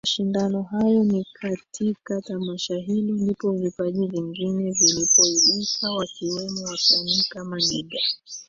mashindano hayo Ni katika tamasha hilo ndipo vipaji vingine vilipoibuka wakiwemo wasanii kama nigga